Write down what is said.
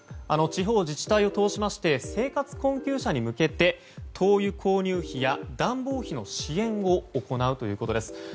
地方自治体を通しまして生活困窮者に向けて灯油購入費や暖房費の支援を行うということです。